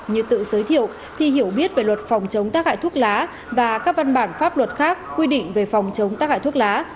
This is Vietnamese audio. như tự giới thiệu thi hiểu biết về luật phòng chống tác hại thuốc lá và các văn bản pháp luật khác quy định về phòng chống tác hại thuốc lá